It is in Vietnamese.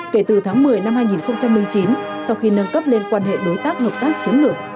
kể từ tháng một mươi năm hai nghìn chín sau khi nâng cấp lên quan hệ đối tác hợp tác chiến lược